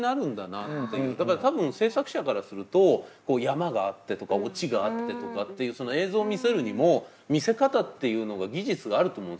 だから多分制作者からすると山があってとかオチがあってとかっていう映像を見せるにも見せ方っていうのが技術があると思うんですよ。